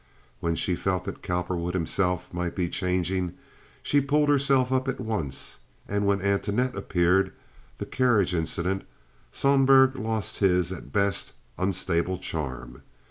When she felt that Cowperwood himself might be changing she pulled herself up at once, and when Antoinette appeared—the carriage incident—Sohlberg lost his, at best, unstable charm.